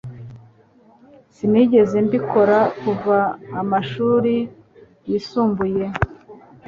Sinigeze mbikora kuva amashuri yisumbuye